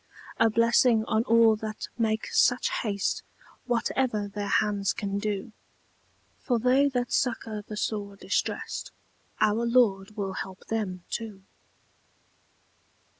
A blessing on all that make such haste, Whatever their hands can do! For they that succour the sore distressed, Our Lord will help them too.